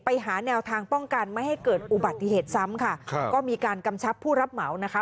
ไปหาแนวทางป้องกันไม่ให้เกิดอุบัติเหตุซ้ำค่ะครับก็มีการกำชับผู้รับเหมานะคะ